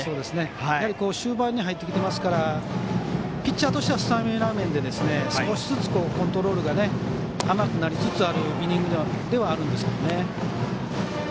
やはり終盤に入ってるのでピッチャーとしてはスタミナ面でコントロールが甘くなりつつあるイニングではあるんですけどね。